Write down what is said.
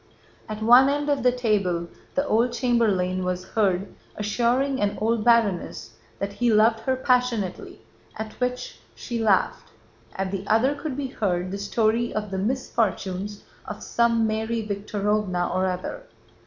At one end of the table, the old chamberlain was heard assuring an old baroness that he loved her passionately, at which she laughed; at the other could be heard the story of the misfortunes of some Mary Víktorovna or other.